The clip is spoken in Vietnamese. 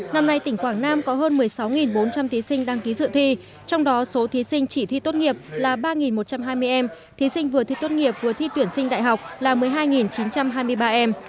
năm nay tỉnh quảng nam có hơn một mươi sáu bốn trăm linh thí sinh đăng ký dự thi trong đó số thí sinh chỉ thi tốt nghiệp là ba một trăm hai mươi em thí sinh vừa thi tốt nghiệp vừa thi tuyển sinh đại học là một mươi hai chín trăm hai mươi ba em